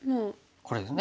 これですね。